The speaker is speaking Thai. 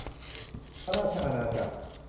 พระราชอาณาจักร